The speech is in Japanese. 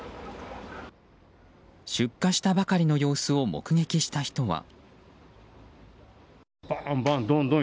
出火したばかりの様子を目撃した人は。